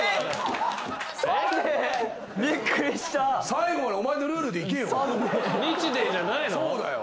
最後までお前のルールでいけよ。